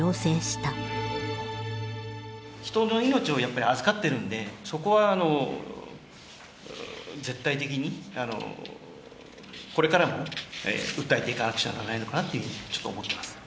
人の命をやっぱり預かっているのでそこは絶対的にこれからも訴えていかなくちゃならないのかなっていうふうにちょっと思っています。